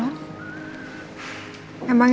tapi kan ini udah malem nino